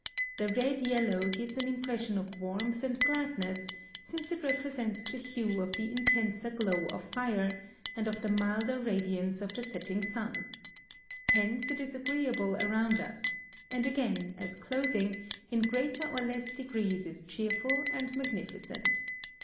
The red yellow gives an impression of warmth and gladness, since it represents the hue of the intenser glow of fire, and of the milder radiance of the setting sun. Hence it is agreeable around us, and again, as clothing, in greater or less degrees is cheerful and magnificent.